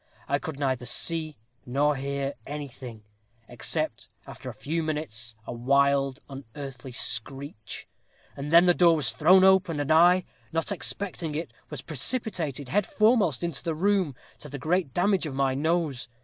I could neither see nor hear anything, except after a few minutes, a wild unearthly screech. And then the door was thrown open, and I, not expecting it, was precipitated head foremost into the room, to the great damage of my nose.